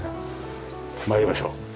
参りましょう。